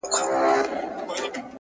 هره پوښتنه د کشف نوې دروازه ده،